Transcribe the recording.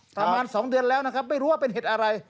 ประมาณ๒เดือนแล้วนะครับไม่รู้ว่าเป็นเหตุอะไร